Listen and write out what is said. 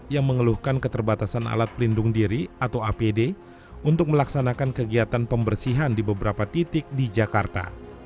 yang mengeluhkan keterbatasan alat pelindung diri atau apd untuk melaksanakan kegiatan pembersihan di beberapa titik di jakarta